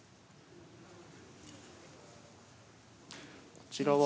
こちらは。